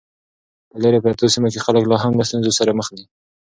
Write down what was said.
په لیرې پرتو سیمو کې خلک لا هم له ستونزو سره مخ دي.